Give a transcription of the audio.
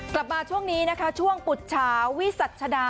กลับมาช่วงนี้นะคะช่วงปุดเช้าวิสัจธรรมดิ์